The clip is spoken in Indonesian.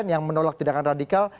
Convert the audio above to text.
yang menolak tindakan radikal